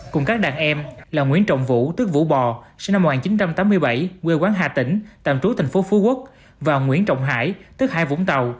cùng các đàn em là nguyễn trọng vũ tức vũ bò sinh năm một nghìn chín trăm tám mươi bảy quê quán hà tĩnh tạm trú thành phố phú quốc và nguyễn trọng hải tức hai vũng tàu